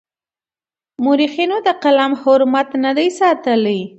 مورخينو د قلم حرمت نه دی ساتلی.